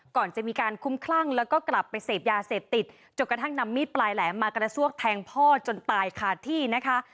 ก่อนจะมีการคุ้มคลั่งแล้วก็กลับไปเสพยาเสพติดจนกระทั่งนำมีดปลายแหลมมากระซวกแทงพ่อจนตายขาดที่นะคะ